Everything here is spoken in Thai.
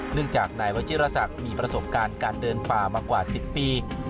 เนื่องจากนายวัชิรษักมีประสบการณ์การเดินป่ามากว่า๑๐ปี